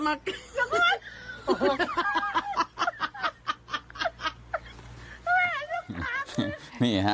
เมล็ดลูกขาดนี่